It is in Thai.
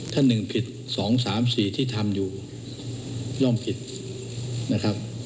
ถ้า๑ผิด๒๓๔ที่ทำอยู่ย่อมผิดนะครับ